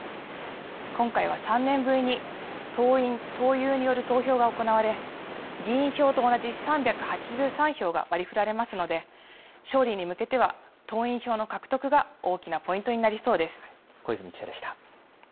今回は３年ぶりに、党員・党友による投票が行われ、議員票と同じ３８３票が割りふられますので、勝利に向けては党員票の獲得が大きなポイントになりそうです。